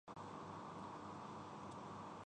Mexican ہسپانوی